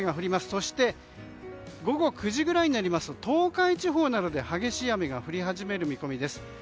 そして午後９時ぐらいになると東海地方などで激しい雨が降り始める見込みです。